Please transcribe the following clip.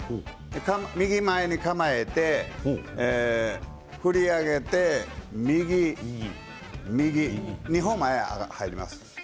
右前に構えて振り上げて右、右、２歩入ります。